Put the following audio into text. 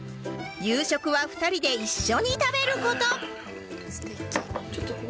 夕食は２人で一緒に食べる事